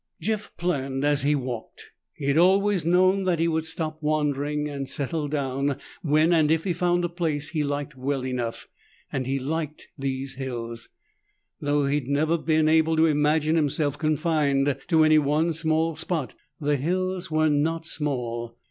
Jeff planned as he walked. He had always known that he would stop wandering and settle down when and if he found a place he liked well enough, and he liked these hills. Though he'd never been able to imagine himself confined to any one small spot, the hills were not small.